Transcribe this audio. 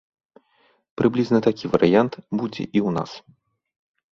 Прыблізна такі варыянт будзе і ў нас.